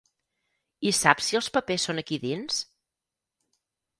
I saps si els papers són aquí dins?